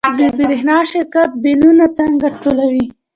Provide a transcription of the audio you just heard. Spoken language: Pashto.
د برښنا شرکت بیلونه څنګه ټولوي؟